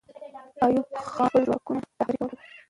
ایوب خان خپل ځواکونه رهبري کوله.